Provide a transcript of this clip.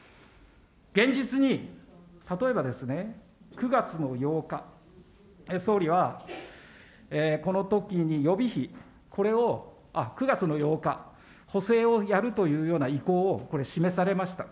現実に、例えばですね、９月の８日、総理は、このときに予備費、これを、９月の８日、補正をやるというような意向をこれ、示されました。